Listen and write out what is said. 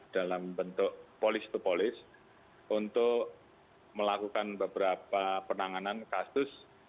dalam bentuk polis to polis untuk melakukan beberapa penanganan kasus